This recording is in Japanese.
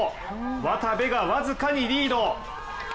渡部が僅かにリード。